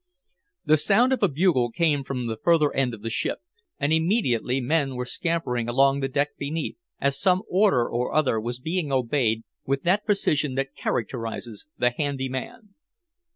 The sound of a bugle came from the further end of the ship, and immediately men were scampering along the deck beneath as some order or other was being obeyed with that precision that characterizes the "handy man."